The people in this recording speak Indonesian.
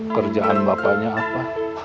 kerjaan bapaknya apa